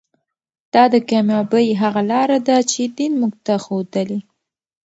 دا د کامیابۍ هغه لاره ده چې دین موږ ته ښودلې.